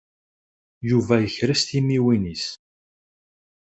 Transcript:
Yuba yekres timiwin-is.